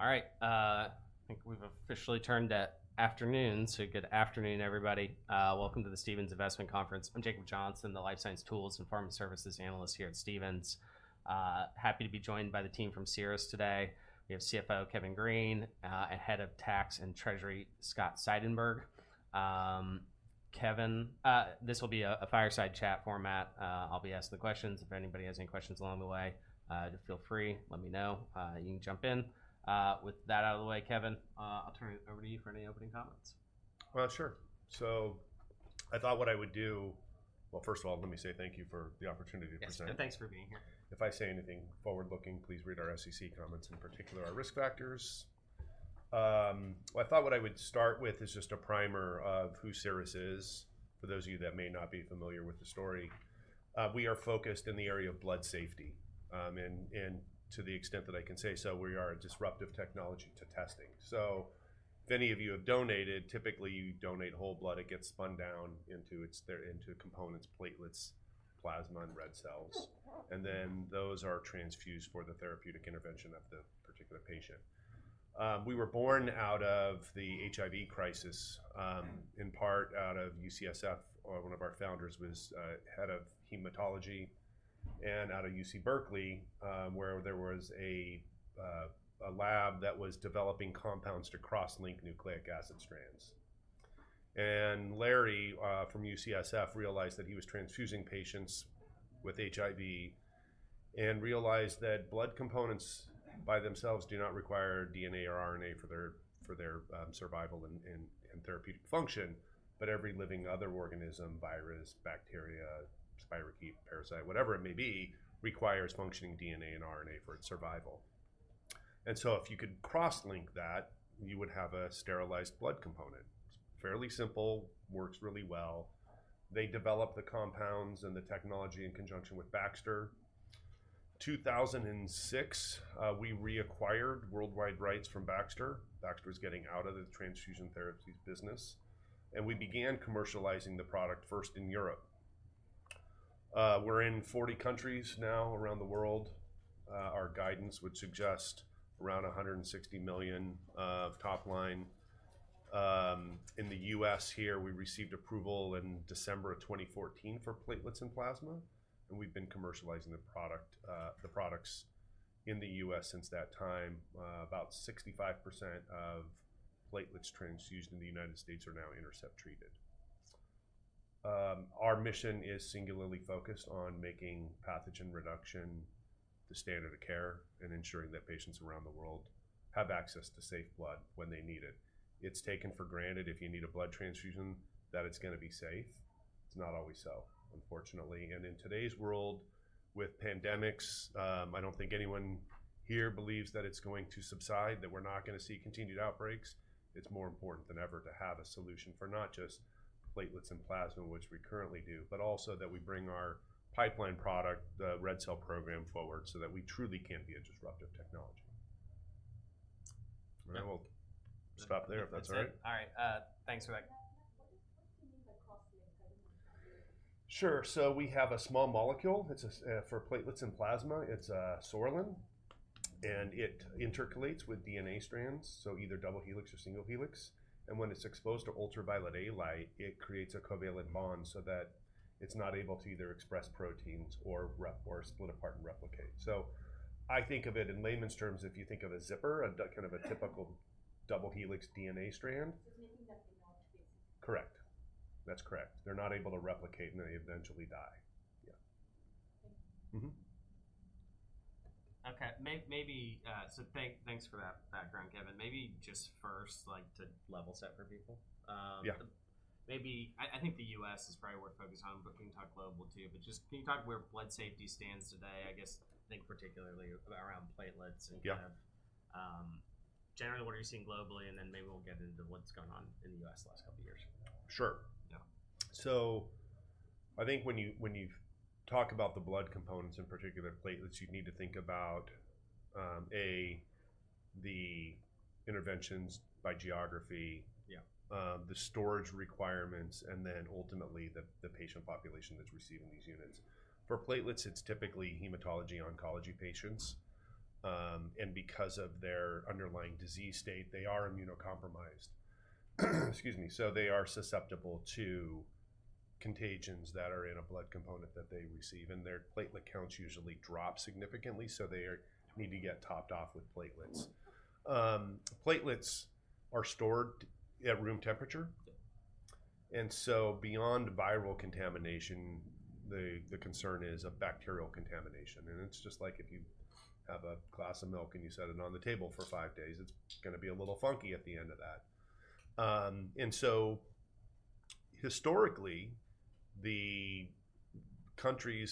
All right, I think we've officially turned to afternoon. So good afternoon, everybody. Welcome to the Stephens Investment Conference. I'm Jacob Johnson, the life sciences tools and pharma services analyst here at Stephens. Happy to be joined by the team from Cerus today. We have CFO, Kevin Green, and Head of Tax and Treasury, Scott Seidenverg. Kevin, this will be a fireside chat format. I'll be asking the questions. If anybody has any questions along the way, just feel free, let me know. You can jump in. With that out of the way, Kevin, I'll turn it over to you for any opening comments. Well, sure. So I thought what I would do, well, first of all, let me say thank you for the opportunity to present. Yes, and thanks for being here. If I say anything forward-looking, please read our SEC comments, in particular, our risk factors. Well, I thought what I would start with is just a primer of who Cerus is, for those of you that may not be familiar with the story. We are focused in the area of blood safety. And to the extent that I can say so, we are a disruptive technology to testing. So if any of you have donated, typically, you donate whole blood, it gets spun down into components, platelets, plasma, and red cells. And then those are transfused for the therapeutic intervention of the particular patient. We were born out of the HIV crisis, in part, out of UCSF. One of our founders was head of hematology and out of UC Berkeley, where there was a lab that was developing compounds to cross-link nucleic acid strands. And Larry from UCSF realized that he was transfusing patients with HIV, and realized that blood components by themselves do not require DNA or RNA for their survival and therapeutic function, but every living other organism, virus, bacteria, spirochete, parasite, whatever it may be, requires functioning DNA and RNA for its survival. And so if you could cross-link that, you would have a sterilized blood component. Fairly simple, works really well. They developed the compounds and the technology in conjunction with Baxter. 2006, we reacquired worldwide rights from Baxter. Baxter was getting out of the transfusion therapies business, and we began commercializing the product first in Europe. We're in 40 countries now around the world. Our guidance would suggest around $160 million of top line. In the U.S. here, we received approval in December of 2014 for platelets and plasma, and we've been commercializing the product, the products in the U.S. since that time. About 65% of platelets transfused in the United States are now INTERCEPT-treated. Our mission is singularly focused on making pathogen reduction the standard of care and ensuring that patients around the world have access to safe blood when they need it. It's taken for granted, if you need a blood transfusion, that it's gonna be safe. It's not always so, unfortunately. And in today's world, with pandemics, I don't think anyone here believes that it's going to subside, that we're not gonna see continued outbreaks. It's more important than ever to have a solution for not just platelets and plasma, which we currently do, but also that we bring our pipeline product, the red cell program, forward, so that we truly can be a disruptive technology. Yeah. We'll stop there, if that's all right. That's it. All right, thanks for that. Yeah, yeah. What does, what do you mean by cross-link? Sure. So we have a small molecule, it's a for platelets and plasma. It's psoralen, and it intercalates with DNA strands, so either double helix or single helix. And when it's exposed to ultraviolet A light, it creates a covalent bond so that it's not able to either express proteins or replicate or split apart and replicate. So I think of it in layman's terms, if you think of a zipper, a kind of a typical double-helix DNA strand. Just making that they won't replicate? Correct. That's correct. They're not able to replicate, and they eventually die. Yeah. Thank you. Mm-hmm. Okay. Maybe. So thanks for that background, Kevin. Maybe just first, like, to level set for people. Uh, yeah. Maybe, I think the U.S. is probably where we're focused on, but can you talk global, too? But just, can you talk where blood safety stands today? I guess, think particularly around platelets- Yeah -and kind of, generally, what are you seeing globally, and then maybe we'll get into what's gone on in the U.S. the last couple of years? Sure. Yeah. So I think when you, when you talk about the blood components, in particular, platelets, you need to think about the interventions by geography- Yeah The storage requirements, and then ultimately, the patient population that's receiving these units. For platelets, it's typically hematology/oncology patients. Mm. And because of their underlying disease state, they are immunocompromised. Excuse me. They are susceptible to contagions that are in a blood component that they receive, and their platelet counts usually drop significantly, so they need to get topped off with platelets. Platelets are stored at room temperature. Yeah. Beyond viral contamination, the concern is of bacterial contamination. And it's just like if you have a glass of milk, and you set it on the table for five days, it's gonna be a little funky at the end of that. And so historically,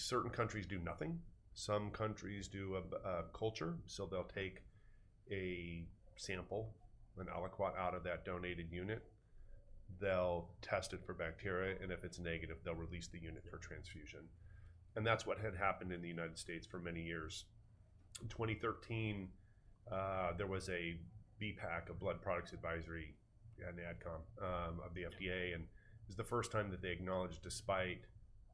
certain countries do nothing. Some countries do a culture, so they'll take a sample, an aliquot, out of that donated unit. They'll test it for bacteria, and if it's negative, they'll release the unit for transfusion. And that's what had happened in the United States for many years. In 2013, there was a BPAC, a Blood Products Advisory Panel and Ad Com, of the FDA, and it was the first time that they acknowledged, despite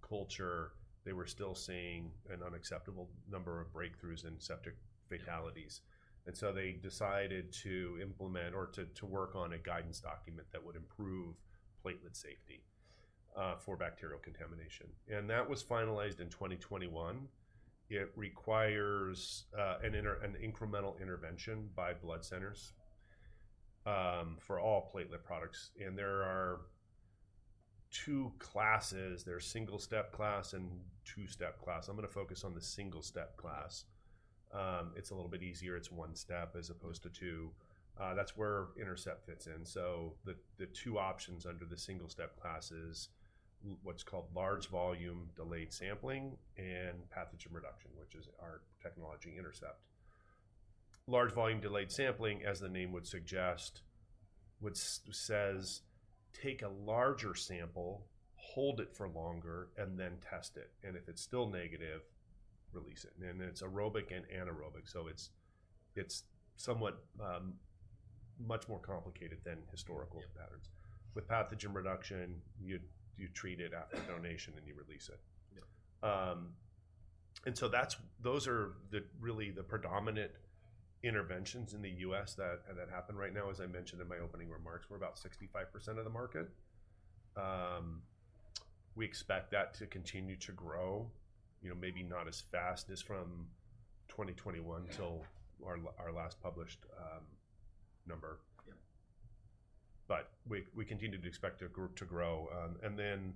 culture, they were still seeing an unacceptable number of breakthroughs in septic fatalities. They decided to implement or to work on a guidance document that would improve platelet safety for bacterial contamination. That was finalized in 2021. It requires an incremental intervention by blood centers for all platelet products. There are 2 classes. There are single-step class and 2-step class. I'm gonna focus on the single-step class. It's a little bit easier. It's 1 step as opposed to 2. That's where Intercept fits in. The 2 options under the single-step class is what's called Large Volume Delayed Sampling and Pathogen Reduction, which is our technology, Intercept. Large Volume Delayed Sampling, as the name would suggest, which says, "Take a larger sample, hold it for longer, and then test it, and if it's still negative, release it." And then it's aerobic and anaerobic, so it's somewhat much more complicated than historical patterns. Yeah. With Pathogen Reduction, you treat it after donation, and you release it. Yeah. And so that's those are the really, the predominant interventions in the US that, that happen right now. As I mentioned in my opening remarks, we're about 65% of the market. We expect that to continue to grow, you know, maybe not as fast as from 2021. Yeah. till our last published number. Yeah. But we continue to expect it to grow, to grow. And then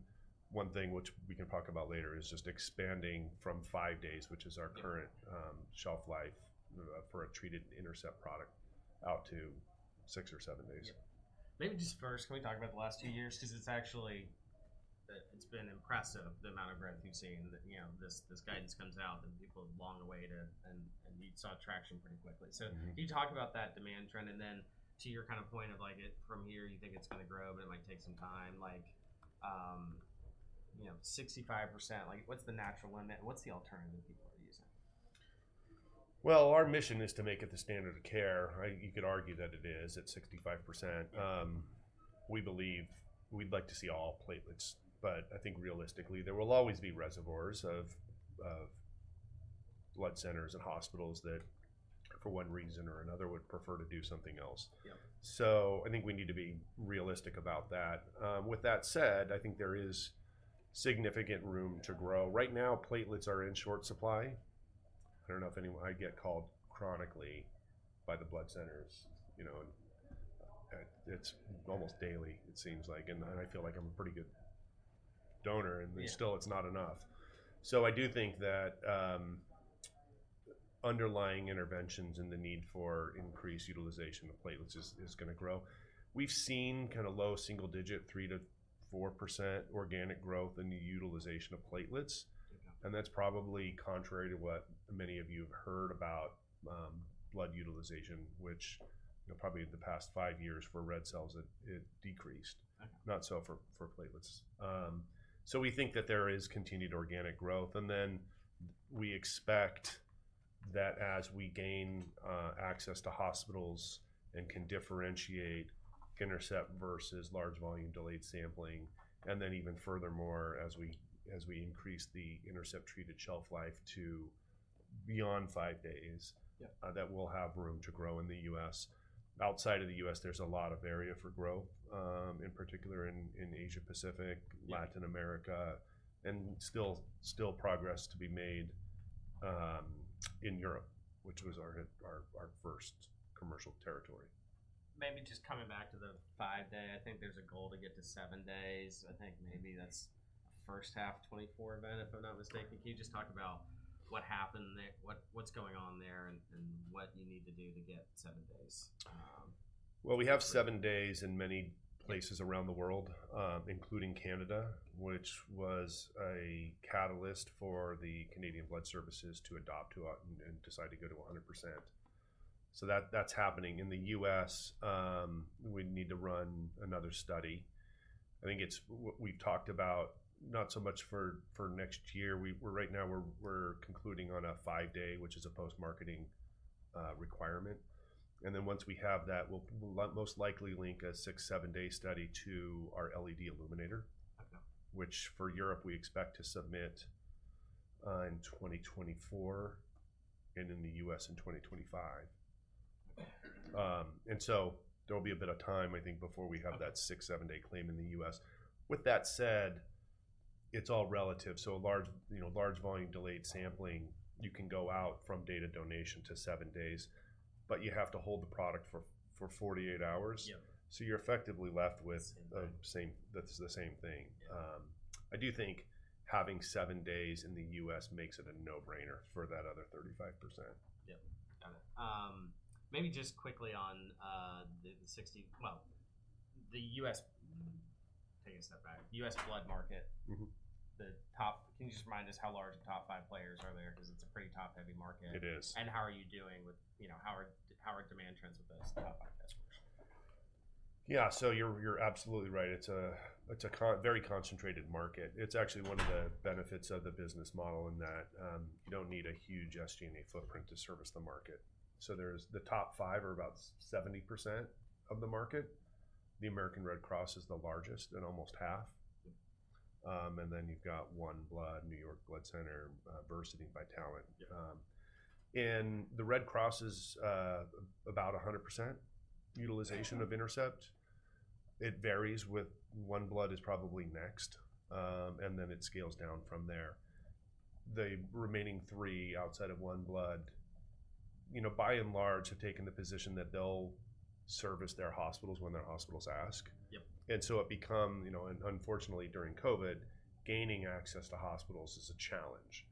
one thing, which we can talk about later, is just expanding from five days, which is our- Yeah current shelf life for a treated INTERCEPT product, out to 6 or 7 days. Yeah. Maybe just first, can we talk about the last 2 years? 'Cause it's actually, it's been impressive, the amount of growth we've seen. That, you know, this guidance comes out, and people have gone away to and we saw traction pretty quickly. Mm-hmm. So can you talk about that demand trend, and then to your kind of point of, like, it from here, you think it's gonna grow, but it might take some time, like, you know, 65%. Like, what's the natural limit? What's the alternative people are using? Well, our mission is to make it the standard of care. You could argue that it is, at 65%. Yeah. We believe we'd like to see all platelets, but I think realistically, there will always be reservoirs of blood centers and hospitals that, for one reason or another, would prefer to do something else. Yeah. I think we need to be realistic about that. With that said, I think there is significant room to grow. Yeah. Right now, platelets are in short supply. I don't know if anyone I get called chronically by the blood centers, you know, and, and it's almost daily it seems like, and, and I feel like I'm a pretty good donor- Yeah and still it's not enough. So I do think that, underlying interventions and the need for increased utilization of platelets is- Yeah is gonna grow. We've seen kinda low single digit, 3%-4% organic growth in the utilization of platelets. Yeah. That's probably contrary to what many of you have heard about blood utilization, which, you know, probably in the past five years for red cells, it decreased. I know. Not so for platelets. So we think that there is continued organic growth, and then we expect that as we gain access to hospitals and can differentiate INTERCEPT versus Large Volume Delayed Sampling, and then even furthermore, as we increase the INTERCEPT-treated shelf life to beyond five days- Yeah that we'll have room to grow in the U.S. Outside of the U.S., there's a lot of area for growth, in particular in Asia-Pacific. Yeah Latin America, and still progress to be made in Europe, which was our first commercial territory. Maybe just coming back to the five-day, I think there's a goal to get to seven days. I think maybe that's a first half 2024 event, if I'm not mistaken. Yeah. Can you just talk about what happened there, what, what's going on there, and, and what you need to do to get seven days? Well, we have seven days in many places around the world, including Canada, which was a catalyst for the Canadian Blood Services to adopt and decide to go to 100%. So that's happening. In the U.S., we need to run another study. I think it's we've talked about, not so much for next year, we're right now concluding on a five-day, which is a post-marketing requirement. And then once we have that, we'll most likely link a six-, seven-day study to our LED illuminator. Okay. Which, for Europe, we expect to submit in 2024, and in the US in 2025. And so there'll be a bit of time, I think, before we have- Okay that 6-7-day claim in the U.S. With that said, it's all relative, so a large, you know, large volume delayed sampling, you can go out from date of donation to 7 days, but you have to hold the product for 48 hours. Yeah. So you're effectively left with- The same thing. the same, that's the same thing. Yeah. I do think having seven days in the U.S. makes it a no-brainer for that other 35%. Yeah, got it. Maybe just quickly on, well, the U.S.- take a step back. U.S. blood market. Mm-hmm. Can you just remind us how large the top five players are there? 'Cause it's a pretty top-heavy market. It is. How are you doing with you know, how are demand trends with those top five customers? Yeah, so you're absolutely right. It's a very concentrated market. It's actually one of the benefits of the business model, in that you don't need a huge SG&A footprint to service the market. So the top five are about 70% of the market. The American Red Cross is the largest at almost half. And then you've got OneBlood, New York Blood Center, Versiti, Vitalant. Yeah. and the Red Cross is about 100% utilization- Wow of INTERCEPT. It varies with OneBlood is probably next, and then it scales down from there. The remaining three, outside of OneBlood, you know, by and large, have taken the position that they'll service their hospitals when their hospitals ask. Yep. And so it become, you know, and unfortunately, during COVID, gaining access to hospitals is a challenge.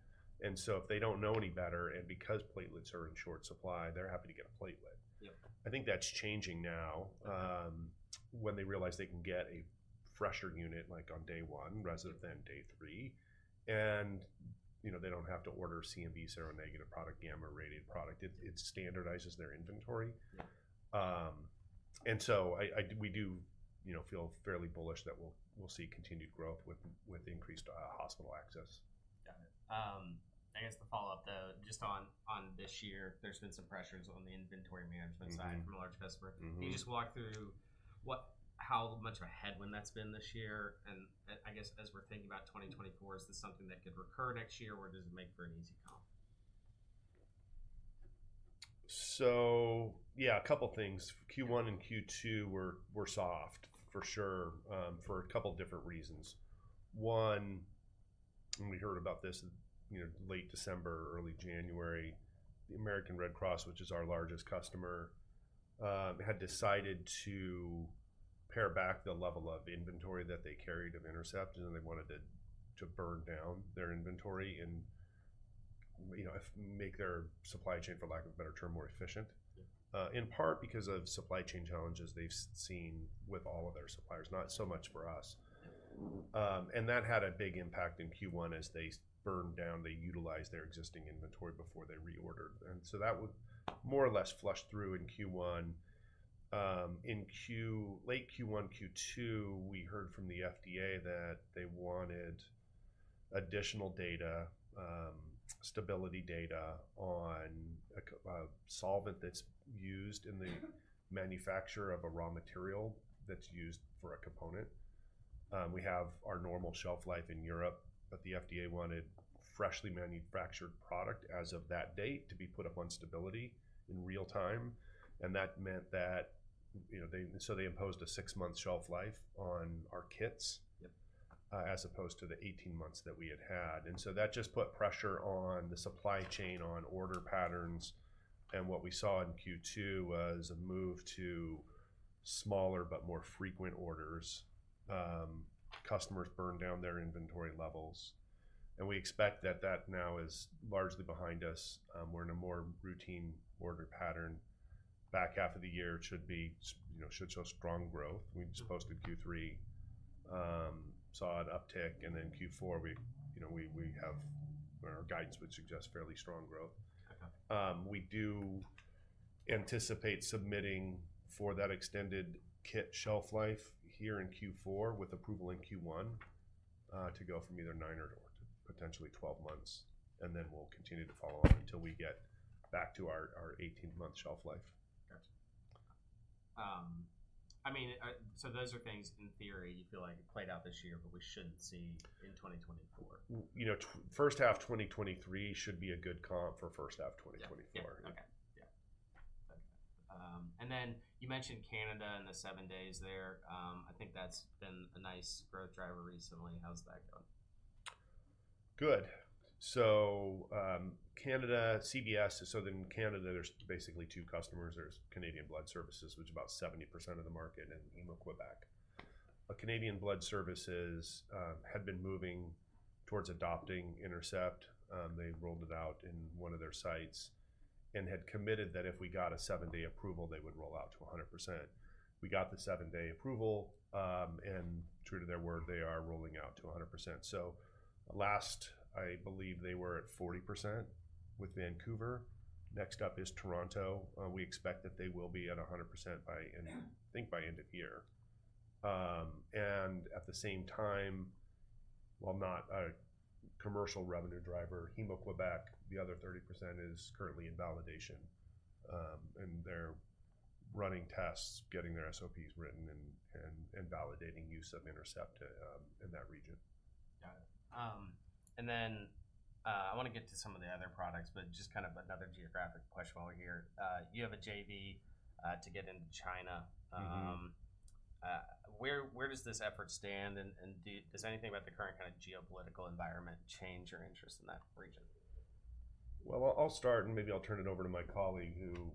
And so if they don't know any better, and because platelets are in short supply, they're happy to get a platelet. Yep. I think that's changing now, when they realize they can get a fresher unit, like on day 1 rather than day 3, and, you know, they don't have to order CMV Seronegative product, gamma-radiated product. It standardizes their inventory. Yeah. And so we do, you know, feel fairly bullish that we'll see continued growth with increased hospital access. Got it. I guess the follow-up, just on this year, there's been some pressures on the inventory management side- Mm-hmm from a large customer. Mm-hmm. Can you just walk through what - how much of a headwind that's been this year? And, I guess as we're thinking about 2024, is this something that could recur next year, or does it make for an easy comp? So, yeah, a couple things. Q1 and Q2 were soft, for sure, for a couple different reasons. One, and we heard about this in, you know, late December or early January, the American Red Cross, which is our largest customer, had decided to pare back the level of inventory that they carried of Intercept, and then they wanted it to burn down their inventory and, you know, make their supply chain, for lack of a better term, more efficient. Yeah. In part because of supply chain challenges they've seen with all of their suppliers, not so much for us. Mm-hmm. And that had a big impact in Q1 as they burned down, they utilized their existing inventory before they reordered, and so that was more or less flushed through in Q1. In late Q1, Q2, we heard from the FDA that they wanted additional data, stability data on a solvent that's used in the manufacture of a raw material that's used for a component. We have our normal shelf life in Europe, but the FDA wanted freshly manufactured product as of that date to be put up on stability in real time, and that meant that, you know, so they imposed a six-month shelf life on our kits- Yep as opposed to the 18 months that we had had. And so that just put pressure on the supply chain, on order patterns, and what we saw in Q2 was a move to smaller but more frequent orders. Customers burned down their inventory levels, and we expect that that now is largely behind us. We're in a more routine order pattern. Back half of the year should be, you know, should show strong growth. Sure. We just posted Q3, saw an uptick, and then Q4, you know, we have, well, our guidance would suggest fairly strong growth. Okay. We do anticipate submitting for that extended kit shelf life here in Q4, with approval in Q1, to go from either 9 or to potentially 12 months, and then we'll continue to follow up until we get back to our 18-month shelf life. Gotcha. I mean, so those are things, in theory, you feel like played out this year, but we shouldn't see in 2024? You know, first half 2023 should be a good comp for first half 2024. Yeah. Yeah, okay. Yeah. Okay, and then you mentioned Canada and the seven days there. I think that's been a nice growth driver recently. How's that going? Good. So, Canada, CBS, so in Canada, there's basically 2 customers. There's Canadian Blood Services, which is about 70% of the market, and Héma-Québec. But Canadian Blood Services had been moving towards adopting INTERCEPT. They rolled it out in one of their sites and had committed that if we got a seven-day approval, they would roll out to 100%. We got the seven-day approval, and true to their word, they are rolling out to 100%. So last, I believe, they were at 40% with Vancouver. Next up is Toronto. We expect that they will be at 100% by end- Yeah I think by end of year. And at the same time, while not a commercial revenue driver, Héma-Québec, the other 30% is currently in validation. And they're running tests, getting their SOPs written and validating use of INTERCEPT in that region. Got it. And then, I wanna get to some of the other products, but just kind of another geographic question while we're here. You have a JV to get into China. Mm-hmm. Where does this effort stand, and does anything about the current kind of geopolitical environment change your interest in that region? Well, I'll start, and maybe I'll turn it over to my colleague who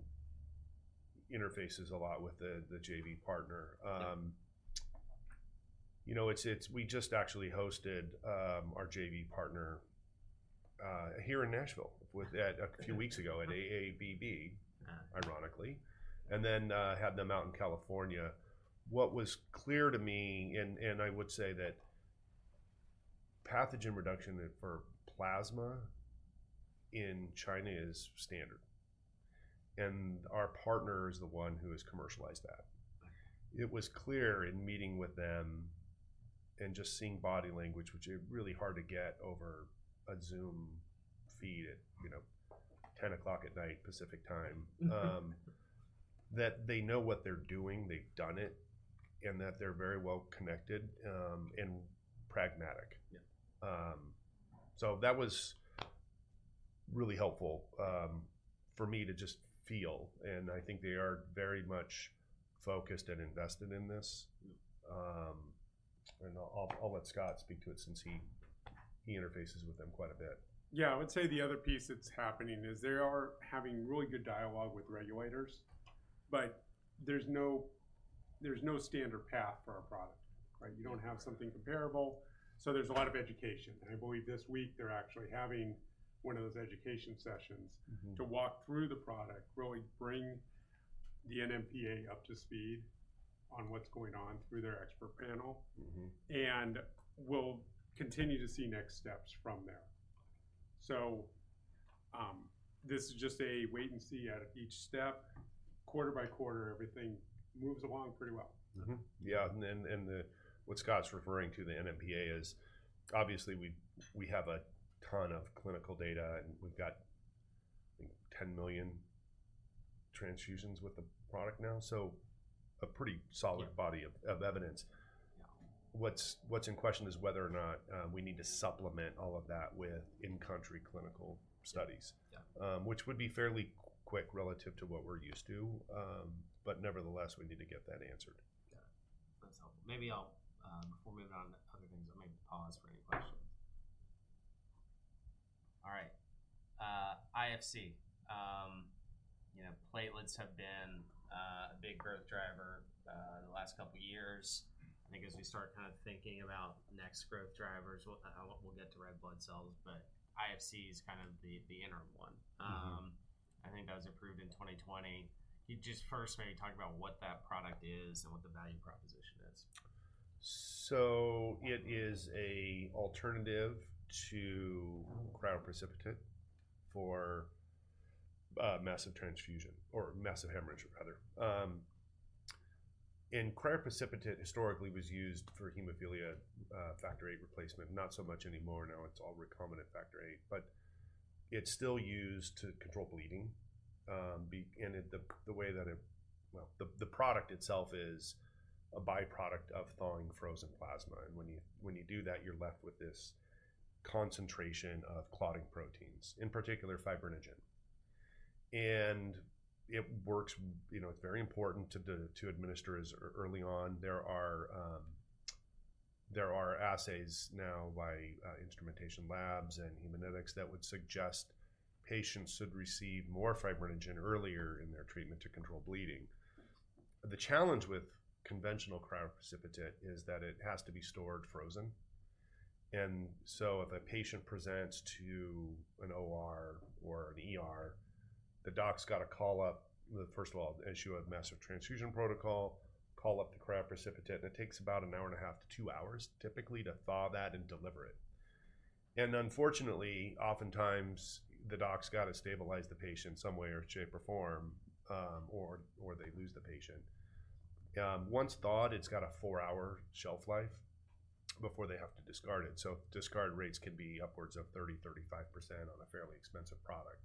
interfaces a lot with the JV partner. Yeah. You know, it's we just actually hosted our JV partner here in Nashville a few weeks ago at AABB. Uh ironically, and then, had them out in California. What was clear to me, and, and I would say that pathogen reduction for plasma in China is standard, and our partner is the one who has commercialized that. Right. It was clear in meeting with them and just seeing body language, which is really hard to get over a Zoom feed at, you know, 10:00 P.M., Pacific Time. That they know what they're doing, they've done it, and that they're very well-connected, and pragmatic. Yeah. So that was really helpful for me to just feel, and I think they are very much focused and invested in this. Mm-hmm. I'll let Scott speak to it since he interfaces with them quite a bit. Yeah. I would say the other piece that's happening is they are having really good dialogue with regulators, but there's no, there's no standard path for our product, right? You don't have something comparable, so there's a lot of education. And I believe this week, they're actually having one of those education sessions- Mm-hmm to walk through the product, really bring the NMPA up to speed on what's going on through their expert panel. Mm-hmm. We'll continue to see next steps from there. So, this is just a wait and see at each step. Quarter by quarter, everything moves along pretty well. Mm-hmm. Yeah, and then, and the - what Scott's referring to, the NMPA, is obviously we, we have a ton of clinical data, and we've got, I think, 10 million transfusions with the product now, so a pretty solid- Yeah body of evidence. Yeah. What's in question is whether or not we need to supplement all of that with in-country clinical studies. Yeah. Which would be fairly quick relative to what we're used to. But nevertheless, we need to get that answered. Yeah. That's helpful. Maybe I'll before we move on to other things, I'll maybe pause for any questions. All right, IFC. You know, platelets have been a big growth driver the last couple years. I think as we start kind of thinking about next growth drivers, we'll get to red blood cells, but IFC is kind of the interim one. Mm-hmm. I think that was approved in 2020. Can you just first maybe talk about what that product is and what the value proposition is? So it is a alternative to cryoprecipitate for massive transfusion or massive hemorrhage, rather. Cryoprecipitate, historically, was used for hemophilia, Factor VIII replacement. Not so much anymore, now it's all recombinant Factor VIII, but it's still used to control bleeding. Well, the product itself is a by-product of thawing frozen plasma, and when you do that, you're left with this concentration of clotting proteins, in particular, fibrinogen. And it works, you know, it's very important to administer as early on. There are assays now by Instrumentation Labs and HaeGenetics that would suggest patients should receive more fibrinogen earlier in their treatment to control bleeding. The challenge with conventional Cryoprecipitate is that it has to be stored frozen, and so if a patient presents to an OR or an ER, the doc's got to call up, well, first of all, issue a massive transfusion protocol, call up the Cryoprecipitate, and it takes about 1 hour and a half to 2 hours, typically, to thaw that and deliver it. Unfortunately, oftentimes, the doc's got to stabilize the patient some way, or shape, or form, or they lose the patient. Once thawed, it's got a 4-hour shelf life before they have to discard it, so discard rates can be upwards of 30%-35% on a fairly expensive product.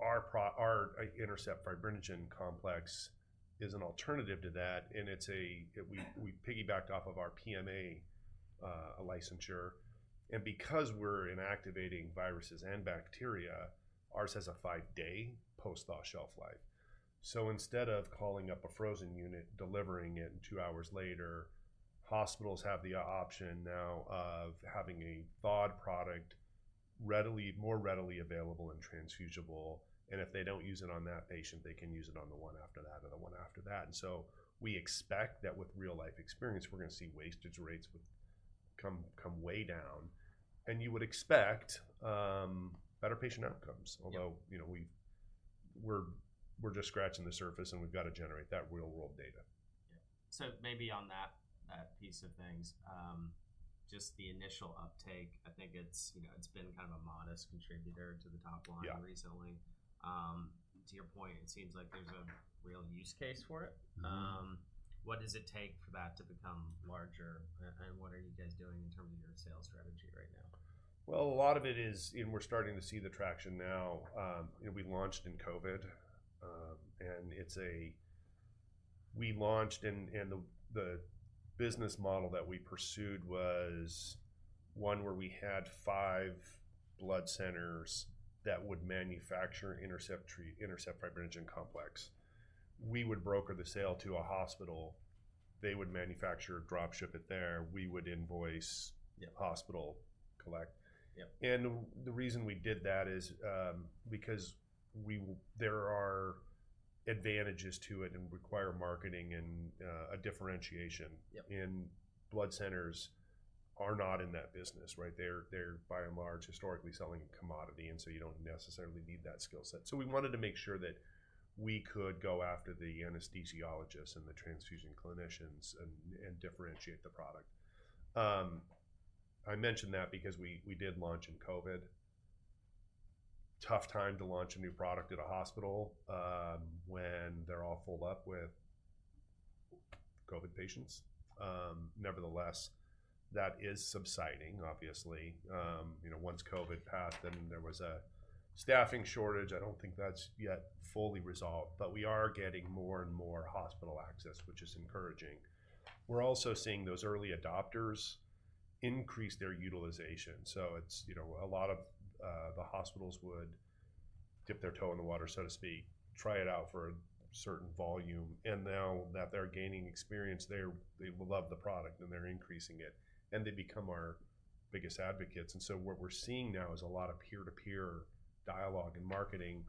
Our INTERCEPT Fibrinogen Complex is an alternative to that, and it. We piggybacked off of our PMA licensure. Because we're inactivating viruses and bacteria, ours has a 5-day post-thaw shelf life. So instead of calling up a frozen unit, delivering it, and 2 hours later, hospitals have the option now of having a thawed product readily, more readily available and transfusible, and if they don't use it on that patient, they can use it on the one after that, and the one after that. So we expect that with real-life experience, we're gonna see wastage rates come way down, and you would expect better patient outcomes. Yeah. Although, you know, we're just scratching the surface, and we've got to generate that real-world data. Yeah. So maybe on that, that piece of things, just the initial uptake, I think it's, you know, it's been kind of a modest contributor to the top line- Yeah recently. To your point, it seems like there's a real use case for it. Mm-hmm. What does it take for that to become larger, and what are you guys doing in terms of your sales strategy right now? Well, a lot of it is, and we're starting to see the traction now, you know, we launched in COVID. And it's a... We launched, and the business model that we pursued was one where we had five blood centers that would manufacture INTERCEPT-treated INTERCEPT Fibrinogen Complex. We would broker the sale to a hospital, they would manufacture it, drop ship it there. We would invoice- Yep hospital collect. Yep. The reason we did that is because there are advantages to it, and require marketing and a differentiation. Yep. Blood centers are not in that business, right? They're by and large historically selling a commodity, and so you don't necessarily need that skill set. So we wanted to make sure that we could go after the anesthesiologists and the transfusion clinicians and differentiate the product. I mention that because we did launch in COVID, tough time to launch a new product at a hospital, when they're all filled up with COVID patients. Nevertheless, that is subsiding, obviously. You know, once COVID passed, then there was a staffing shortage. I don't think that's yet fully resolved, but we are getting more and more hospital access, which is encouraging. We're also seeing those early adopters increase their utilization. So it's, you know, a lot of the hospitals would dip their toe in the water, so to speak, try it out for a certain volume, and now that they're gaining experience, they love the product, and they're increasing it, and they become our biggest advocates. And so what we're seeing now is a lot of peer-to-peer dialogue and marketing.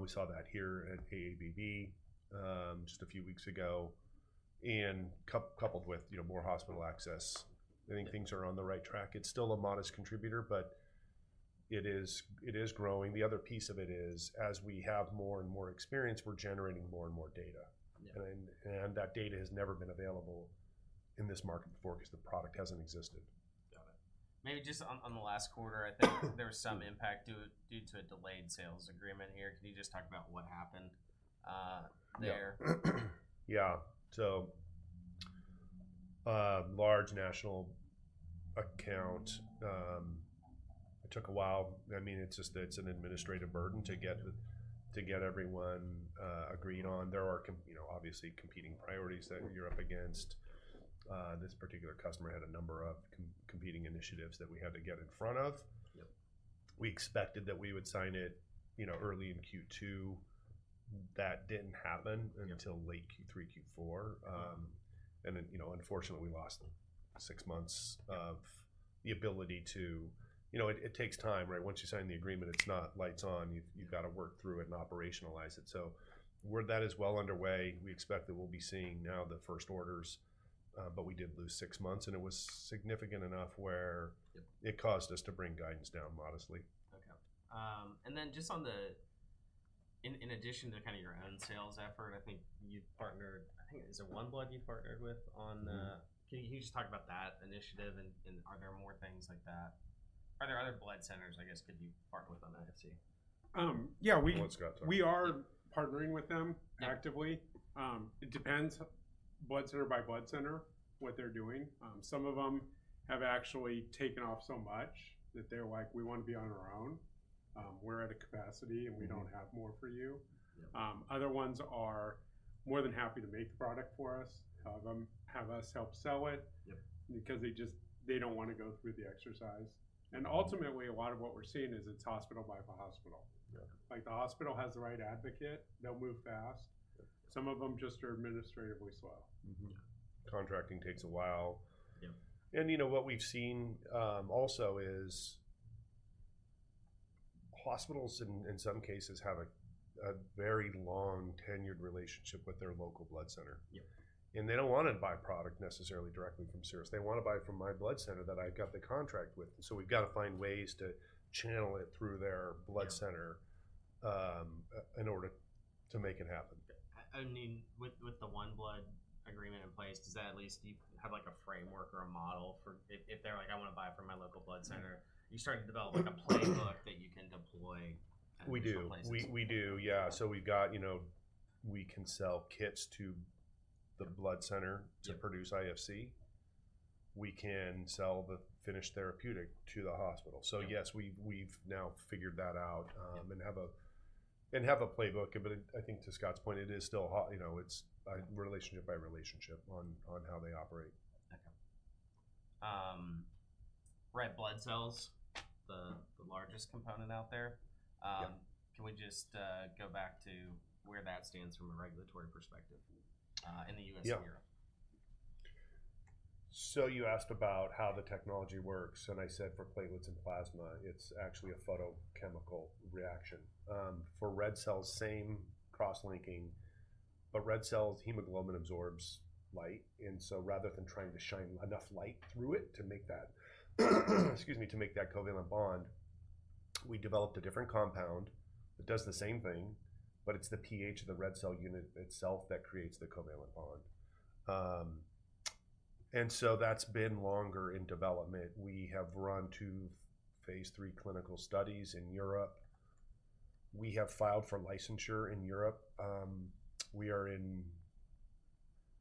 We saw that here at AABB just a few weeks ago, and coupled with, you know, more hospital access. I think things are on the right track. It's still a modest contributor, but it is, it is growing. The other piece of it is, as we have more and more experience, we're generating more and more data. Yeah. That data has never been available in this market before because the product hasn't existed. Got it. Maybe just on the last quarter, I think there was some impact due to a delayed sales agreement here. Can you just talk about what happened there? Yeah. So, large national account, it took a while. I mean, it's just that it's an administrative burden to get the to get everyone agreed on. There are, you know, obviously, competing priorities that you're up against. This particular customer had a number of competing initiatives that we had to get in front of. Yep. We expected that we would sign it, you know, early in Q2. That didn't happen- Yep until late Q3, Q4. And then, you know, unfortunately, we lost six months of the ability to. You know, it takes time, right? Once you sign the agreement, it's not lights on. You've gotta work through it and operationalize it. So we're—that is well underway. We expect that we'll be seeing now the first orders, but we did lose six months, and it was significant enough where- Yep... it caused us to bring guidance down modestly. Okay. And then just on the—in addition to kind of your own sales effort, I think you've partnered, I think. Is it OneBlood you partnered with on, Mm-hmm. Can you just talk about that initiative and, and are there more things like that? Are there other blood centers, I guess, could you partner with on IFC? Yeah, we- The one Scott talked about. We are partnering with them actively. Yeah. It depends blood center by blood center, what they're doing. Some of them have actually taken off so much that they're like: "We want to be on our own. We're at a capacity, and we don't have more for you. Yeah. Other ones are more than happy to make the product for us. Have them have us help sell it- Yep because they just, they don't want to go through the exercise. Mm-hmm. Ultimately, a lot of what we're seeing is it's hospital by hospital. Yeah. Like, the hospital has the right advocate, they'll move fast. Yeah. Some of them just are administratively slow. Mm-hmm. Contracting takes a while. Yep. You know, what we've seen also is hospitals in some cases have a very long-tenured relationship with their local blood center. Yep. They don't want to buy product necessarily directly from Cerus. They want to buy it from my blood center that I've got the contract with. We've got to find ways to channel it through their blood center- Yeah in order to make it happen. I mean, with the OneBlood agreement in place, does that at least have like a framework or a model for If they're like: "I want to buy it from my local blood center," you're starting to develop, like a playbook that you can deploy in different places. We do. We do, yeah. So we've got, you know, we can sell kits to the blood center- Yeah to produce IFC. We can sell the finished therapeutic to the hospital. Yeah. So yes, we've now figured that out, and have a playbook. But I think to Scott's point, it is still, you know, it's a relationship by relationship on how they operate. Okay. Red blood cells, the largest component out there. Yep. Can we just go back to where that stands from a regulatory perspective in the U.S. and Europe? Yeah. So you asked about how the technology works, and I said for platelets and plasma, it's actually a photochemical reaction. For red cells, same cross-linking, but red cells, hemoglobin absorbs light, and so rather than trying to shine enough light through it to make that, excuse me, to make that covalent bond, we developed a different compound that does the same thing, but it's the pH of the red cell unit itself that creates the covalent bond. And so that's been longer in development. We have run 2 phase III clinical studies in Europe. We have filed for licensure in Europe. We are in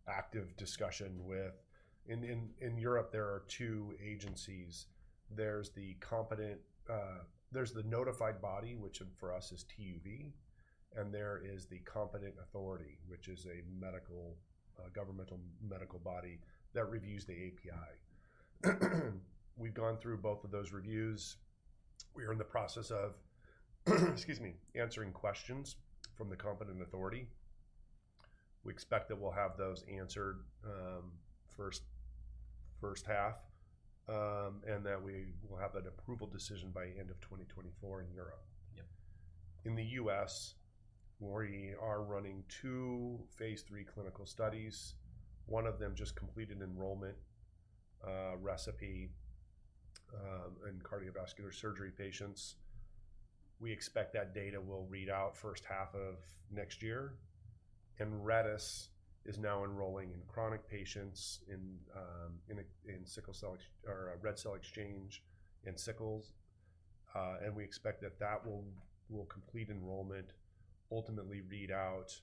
active discussion with. In Europe, there are 2 agencies. There's the notified body, which for us is TÜV, and there is the competent authority, which is a medical, governmental medical body that reviews the API. We've gone through both of those reviews. We are in the process of, excuse me, answering questions from the competent authority. We expect that we'll have those answered first half, and that we will have that approval decision by end of 2024 in Europe. Yep. In the US, we are running 2 phase III clinical studies. One of them just completed enrollment, ReCePI, in cardiovascular surgery patients. We expect that data will read out first half of next year, and RedeS is now enrolling in chronic patients in sickle cell or red cell exchange in sickles. And we expect that that will complete enrollment, ultimately read out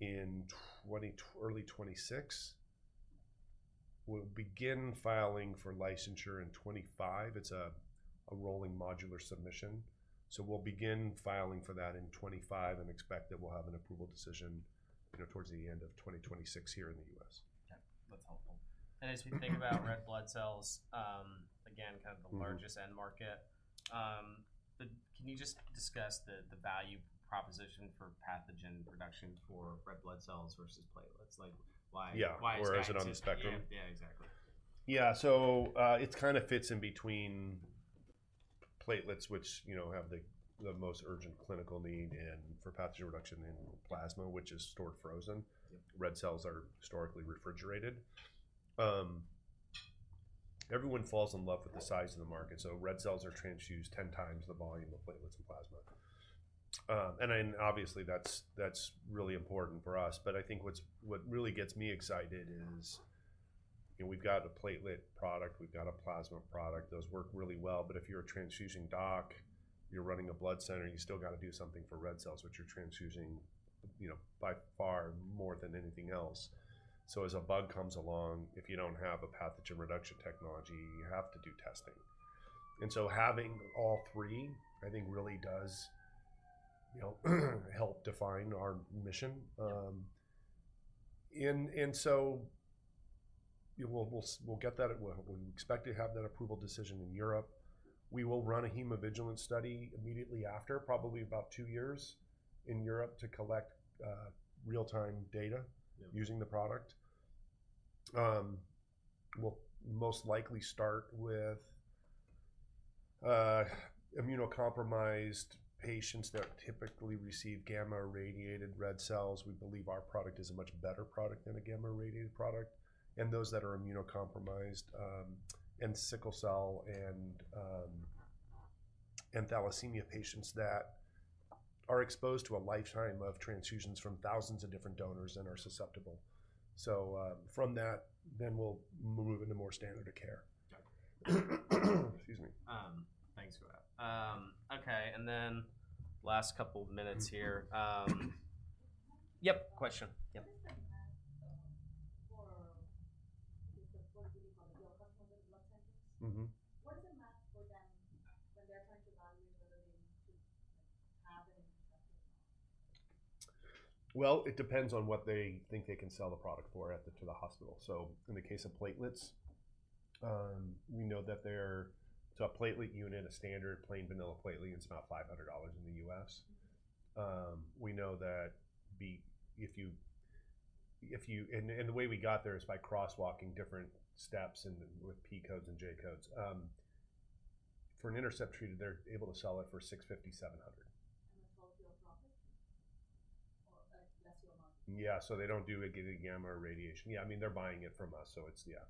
in early 2026. We'll begin filing for licensure in 2025. It's a rolling modular submission, so we'll begin filing for that in 2025 and expect that we'll have an approval decision, you know, towards the end of 2026 here in the US. Yeah, that's helpful. As we think about red blood cells, again, kind of- Mm-hmm the largest end market. But can you just discuss the value proposition for Pathogen Reduction for red blood cells versus platelets? Like, why- Yeah Why is that? Where is it on the spectrum? Yeah, yeah, exactly. Yeah. So, it kind of fits in between platelets, which, you know, have the most urgent clinical need, and for pathogen reduction in plasma, which is stored frozen. Yeah. Red cells are historically refrigerated. Everyone falls in love with the size of the market, so red cells are transfused 10 times the volume of platelets and plasma. And then, obviously, that's really important for us, but I think what really gets me excited is, you know, we've got a platelet product, we've got a plasma product. Those work really well. But if you're a transfusing doc, you're running a blood center, you still gotta do something for red cells, which you're transfusing, you know, by far more than anything else. So as a bug comes along, if you don't have a pathogen reduction technology, you have to do testing. And so having all 3, I think, really does, you know, help define our mission. And so, we'll get that. We expect to have that approval decision in Europe. We will run a hemovigilance study immediately after, probably about 2 years in Europe, to collect real-time data- Yeah. Using the product. We'll most likely start with immunocompromised patients that typically receive gamma radiated red cells. We believe our product is a much better product than a gamma radiated product, and those that are immunocompromised, and sickle cell, and thalassemia patients that are exposed to a lifetime of transfusions from thousands of different donors and are susceptible. So, from that, then we'll move into more standard of care. Okay. Excuse me. Thanks for that. Okay, and then last couple of minutes here. Yep, question. Yep. What is the math for the blood centers? Mm-hmm. What is the math for them when they're trying to value whether they need to have an INTERCEPT? Well, it depends on what they think they can sell the product for at the, to the hospital. So in the case of platelets, we know that they're. So a platelet unit, a standard plain vanilla platelet, it's about $500 in the US. We know that the, if you, if you, and, and the way we got there is by crosswalking different steps and with P codes and J codes. For an INTERCEPT-treated, they're able to sell it for $650-$700. The profit, or less or more? Yeah, so they don't do it giving gamma irradiation. Yeah, I mean, they're buying it from us, so it's yeah.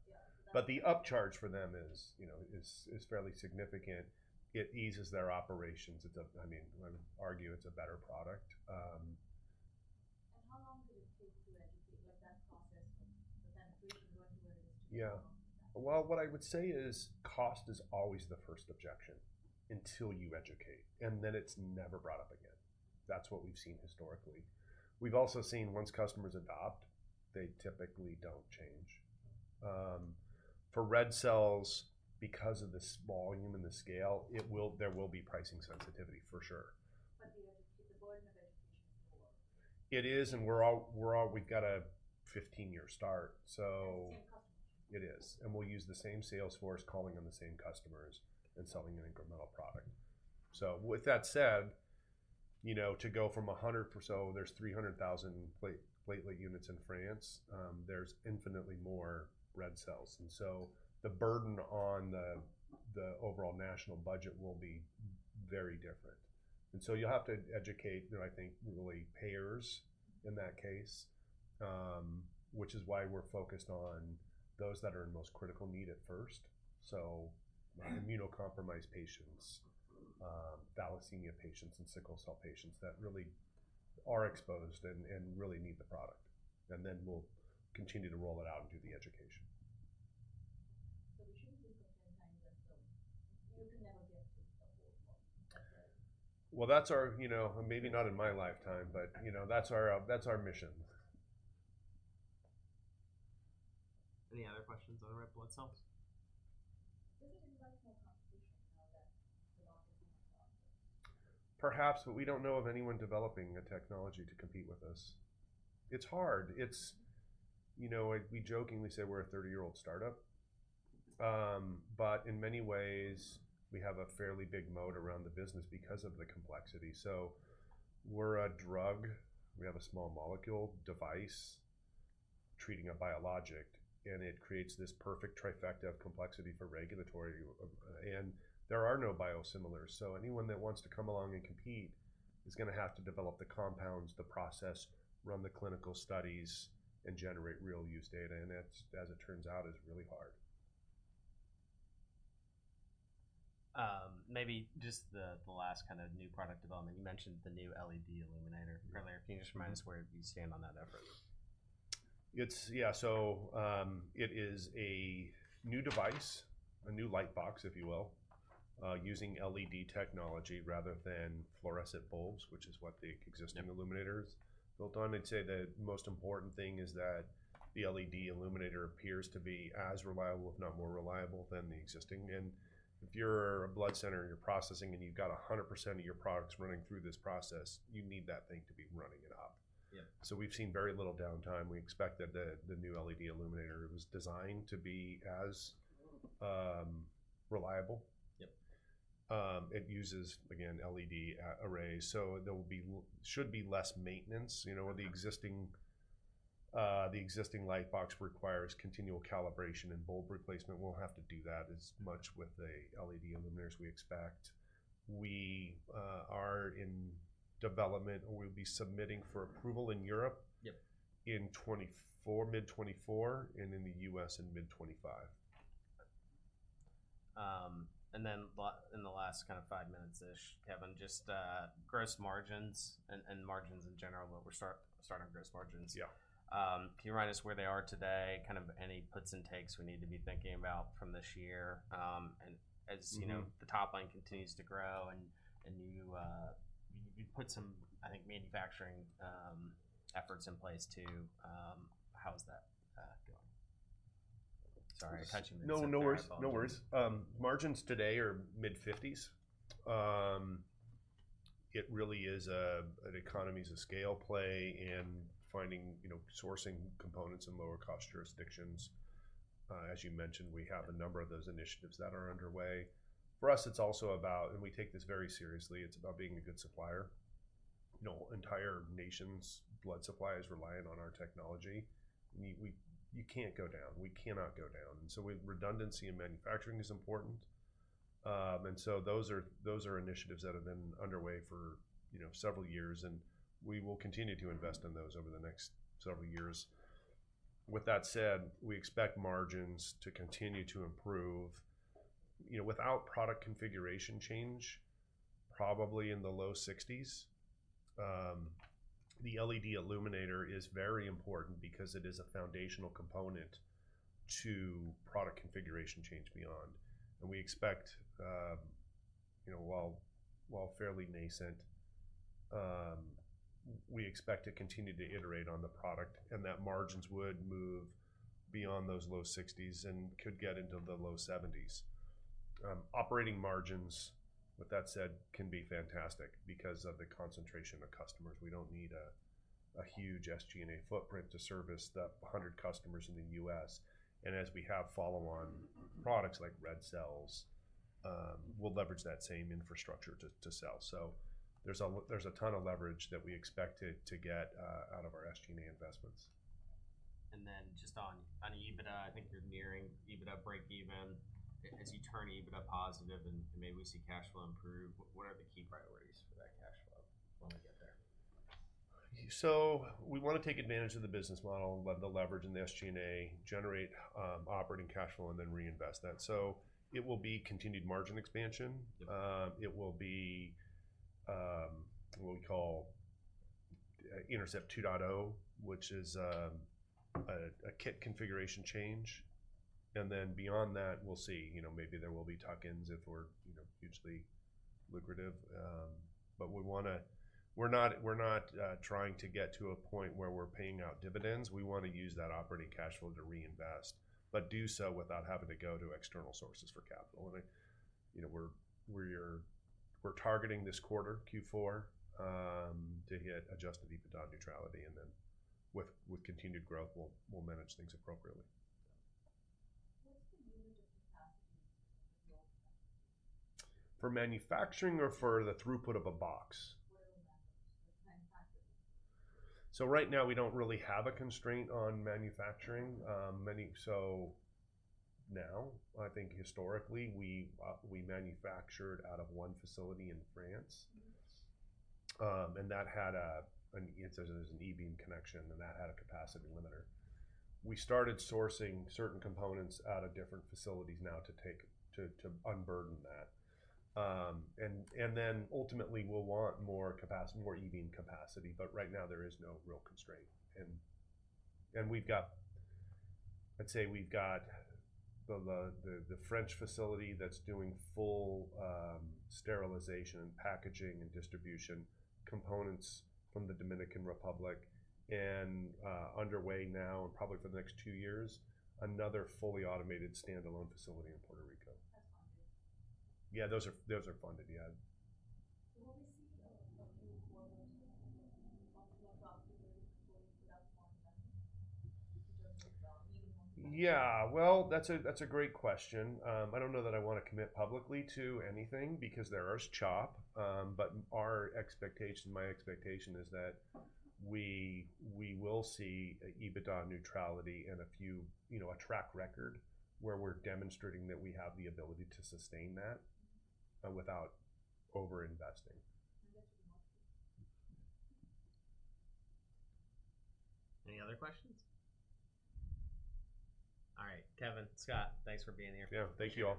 Yeah. But the upcharge for them is, you know, is, is fairly significant. It eases their operations. It does - I mean, I would argue it's a better product. How long did it take to educate what that process was? That transition where- Yeah. Well- Well, what I would say is, cost is always the first objection until you educate, and then it's never brought up again. That's what we've seen historically. We've also seen, once customers adopt, they typically don't change. For red cells, because of the volume and the scale, there will be pricing sensitivity, for sure. But it's a burden of education for- It is, and we're all-- we've got a 15-year start, so- Same customers. It is, and we'll use the same sales force, calling on the same customers and selling an incremental product. So with that said, you know, to go from 100 per. So there's 300,000 platelet units in France. There's infinitely more red cells, and so the burden on the overall national budget will be very different. And so you'll have to educate, you know, I think, really payers in that case, which is why we're focused on those that are in most critical need at first. So immunocompromised patients, thalassemia patients, and sickle cell patients that really are exposed and really need the product. And then we'll continue to roll it out and do the education. So it shouldn't be sometimes that you can never get to the whole market. Well, that's our, you know maybe not in my lifetime, but, you know, that's our, that's our mission. Any other questions on red blood cells? Does it invite more competition now that the market is larger? Perhaps, but we don't know of anyone developing a technology to compete with us. It's hard. You know, we jokingly say we're a 30-year-old startup, but in many ways, we have a fairly big moat around the business because of the complexity. So we're a drug. We have a small molecule device treating a biologic, and it creates this perfect trifecta of complexity for regulatory, and there are no biosimilars. So anyone that wants to come along and compete is gonna have to develop the compounds, the process, run the clinical studies, and generate real use data, and that, as it turns out, is really hard. Maybe just the last kind of new product development. You mentioned the new LED Illuminator earlier. Can you just remind us where you stand on that effort? It's, yeah, so, it is a new device, a new light box, if you will, using LED technology rather than fluorescent bulbs, which is what the existing- Yep Illuminator is built on. I'd say the most important thing is that the LED Illuminator appears to be as reliable, if not more reliable, than the existing. And if you're a blood center and you're processing, and you've got 100% of your products running through this process, you need that thing to be running it up. Yeah. So we've seen very little downtime. We expect that the new LED Illuminator, it was designed to be as reliable. Yep. It uses, again, LED arrays, so there will be less maintenance. You know, the existing light box requires continual calibration and bulb replacement. Won't have to do that as much with a LED illuminator, as we expect. We are in development, and we'll be submitting for approval in Europe- Yep In 2024, mid-2024, and in the US in mid-2025. And then in the last kind of five minutes-ish, Kevin, just gross margins and margins in general, but we'll start on gross margins. Yeah. Can you remind us where they are today? Kind of any puts and takes we need to be thinking about from this year. Mm-hmm You know, the top line continues to grow, and you put some, I think, manufacturing efforts in place, too. How is that going? Sorry, I touched on that- No, no worries. No worries. Margins today are mid-50s%. It really is an economies of scale play in finding, you know, sourcing components in lower-cost jurisdictions. As you mentioned, we have a number of those initiatives that are underway. For us, it's also about and we take this very seriously, it's about being a good supplier. You know, entire nations' blood supply is reliant on our technology. We, we - you can't go down. We cannot go down. And so redundancy in manufacturing is important. And so those are, those are initiatives that have been underway for, you know, several years, and we will continue to invest in those over the next several years. With that said, we expect margins to continue to improve, you know, without product configuration change, probably in the low 60s%. The LED Illuminator is very important because it is a foundational component to product configuration change beyond. We expect, you know, while fairly nascent, we expect to continue to iterate on the product, and that margins would move beyond those low 60s% and could get into the low 70s%. Operating margins, with that said, can be fantastic because of the concentration of customers. We don't need a huge SG&A footprint to service the 100 customers in the U.S. And as we have follow-on products- Mm-hmm like red cells, we'll leverage that same infrastructure to sell. So there's a ton of leverage that we expect to get out of our SG&A investments. Then just on EBITDA, I think you're nearing EBITDA breakeven. As you turn EBITDA positive and maybe we see cash flow improve, what are the key priorities for that cash flow when we get there? So we want to take advantage of the business model, the leverage in the SG&A, generate operating cash flow, and then reinvest that. So it will be continued margin expansion. Yep. It will be what we call Intercept 2.0, which is a kit configuration change. And then beyond that, we'll see. You know, maybe there will be tuck-ins if we're, you know, hugely lucrative. But we wanna, not trying to get to a point where we're paying out dividends. We want to use that operating cash flow to reinvest, but do so without having to go to external sources for capital. And, you know, we're targeting this quarter, Q4, to hit adjusted EBITDA neutrality, and then with continued growth, we'll manage things appropriately. What's the unit of capacity for your box? For manufacturing or for the throughput of a box? For the manufacturing. So right now, we don't really have a constraint on manufacturing. So now, I think historically, we manufactured out of one facility in France. Yes. and that had a, it says there's an E-beam connection, and that had a capacity limiter. We started sourcing certain components out of different facilities now to take to unburden that. and then ultimately, we'll want more E-beam capacity, but right now there is no real constraint. And we've got, let's say we've got the French facility that's doing full sterilization and packaging and distribution, components from the Dominican Republic, and underway now and probably for the next 2 years, another fully automated standalone facility in Puerto Rico. That's funded? Yeah, those are, those are funded, yeah. Will we see a full quarter without funding? Yeah. Well, that's a, that's a great question. I don't know that I want to commit publicly to anything because there is chop. But our expectation, my expectation is that we, we will see EBITDA neutrality in a few... You know, a track record, where we're demonstrating that we have the ability to sustain that, without overinvesting. And that's the most- Any other questions? All right. Kevin, Scott, thanks for being here. Yeah. Thank you all.